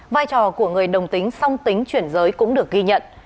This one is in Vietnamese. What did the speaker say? vai trò của người đồng tính song tính chuyển giới cũng được ghi nhận